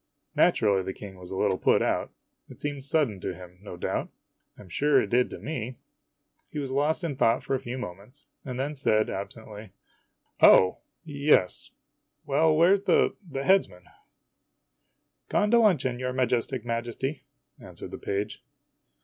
Naturally the King was a little put out. It seemed sudden to him, no doubt. I am sure it did to me. He was lost in thought for a few moments, and then said absently :" Oh ! yes. Well, where 's the the headsman ?'" Gone to luncheon, your Majestic Majesty," answered the page.